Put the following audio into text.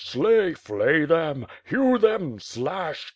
Slay! Flay them! Hew them! Slash!